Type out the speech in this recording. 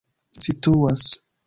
situas